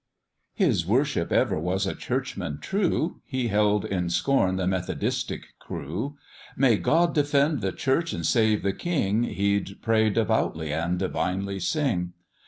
"His worship ever was a churchman true, He held in scorn the Methodistic crew; 'May God defend the Church, and save the King,' He'd pray devoutly and divinely sing.